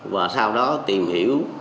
và sau đó tìm hiểu